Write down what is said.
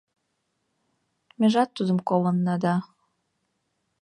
Межат тудым колынна да